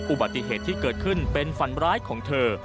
อุบัติเหตุที่เกิดขึ้นเป็นฝันร้ายของเธอ